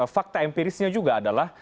fakta empirisnya juga ada